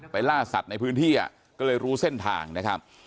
ล่าสัตว์ในพื้นที่ก็เลยรู้เส้นทางนะครับ